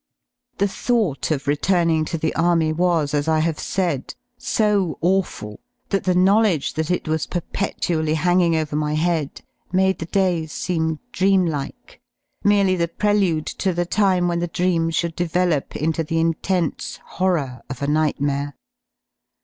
49 E2 yC The thought of returning to the Army was, as I have said, so awful, that the knowledge that it was perpetually hanging over my head made the days seem dreamlike, merely the prelude to the time when the dream should develop into the intense horror of a nightmare.